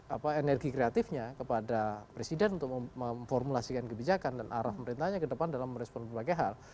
apa energi kreatifnya kepada presiden untuk memformulasikan kebijakan dan arah pemerintahnya ke depan dalam merespon berbagai hal